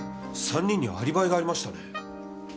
３人にはアリバイがありましたよね。